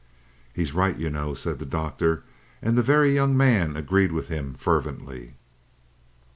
"He's right, you know," said the Doctor, and the Very Young Man agreed with him fervently.